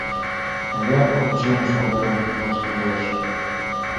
Фая ончен шога, воштылеш.